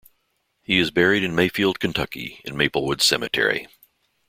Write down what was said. He is buried in Mayfield, Kentucky in Maplewood Cemetery.